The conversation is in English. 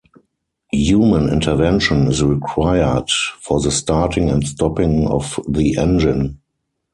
Human intervention is required for the starting and stopping of the engine.